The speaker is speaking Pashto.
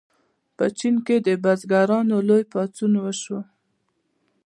په چین کې د بزګرانو لوی پاڅون وشو.